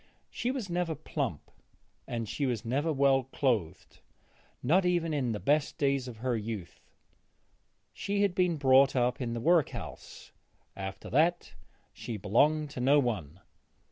She was never plump; she was never well clothed, not even in the best days of her youth. She had been brought up in the work house; after that she belonged to no one.